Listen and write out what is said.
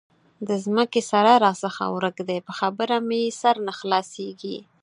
د ځمکې سره راڅخه ورک دی؛ په خبره مې سر نه خلاصېږي.